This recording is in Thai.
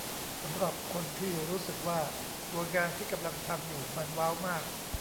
สำหรับคนที่รู้สึกว่าตัวงานที่กำลังทำอยู่มันว้าวมาก